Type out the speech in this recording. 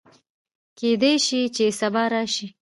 کېدی شي چې سبا راشي